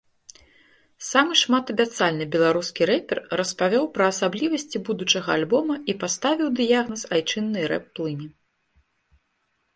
Самы шматабяцальны беларускі рэпер распавёў пра асаблівасці будучага альбома і паставіў дыягназ айчыннай рэп-плыні.